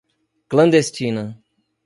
clandestina